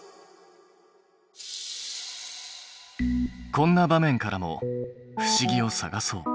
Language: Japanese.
こんな場面からも不思議を探そう。